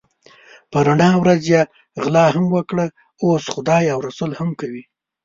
په رڼا ورځ یې غلا هم وکړه اوس خدای او رسول هم کوي.